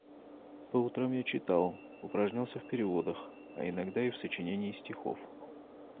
По утрам я читал, упражнялся в переводах, а иногда и в сочинении стихов.